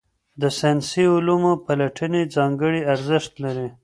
د ساینسي علومو پلټني ځانګړی ارزښت لري.